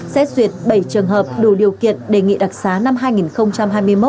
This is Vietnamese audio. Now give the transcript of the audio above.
xét duyệt bảy trường hợp đủ điều kiện đề nghị đặc xá năm hai nghìn hai mươi một